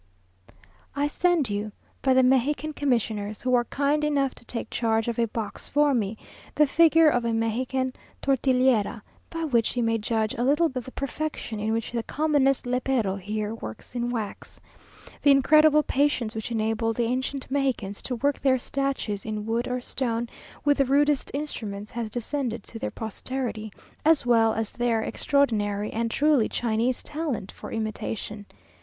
I send you, by the Mexican commissioners, who are kind enough to take charge of a box for me, the figure of a Mexican tortillera, by which you may judge a little of the perfection in which the commonest lépero here works in wax. The incredible patience which enabled the ancient Mexicans to work their statues in wood or stone with the rudest instruments, has descended to their posterity, as well as their extraordinary and truly Chinese talent for imitation.